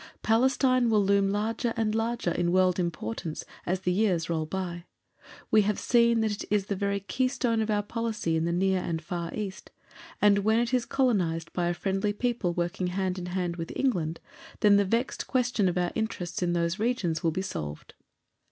Palestine will loom larger and larger in world importance as the years roll by. We have seen that it is the very keystone of our policy in the Near and Far East, and when it is colonized by a friendly people working hand in hand with England then the vexed question of our interests in those regions will be solved.